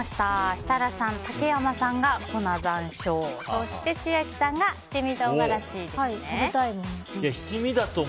設楽さん、竹山さんが粉山椒そして千秋さんが七味唐辛子ですね。